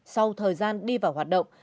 sau thời gian đi vào hoạt động